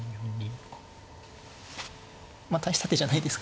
まあ大した手じゃないですかね。